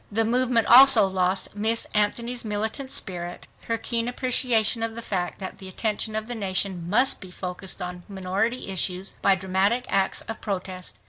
The movement also lost Miss Anthony's militant spirit, her keen appreciation of the fact that the attention of the nation must be focussed on minority issues by dramatic acts of protest.